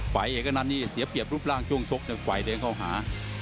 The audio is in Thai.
เอกอนันต์นี่เสียเปรียบรูปร่างช่วงชกฝ่ายเดินเข้าหา